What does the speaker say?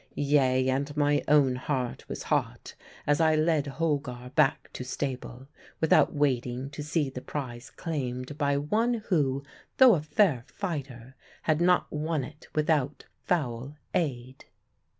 Yea, and my own heart was hot as I led Holgar back to stable, without waiting to see the prize claimed by one who, though a fair fighter, had not won it without foul aid.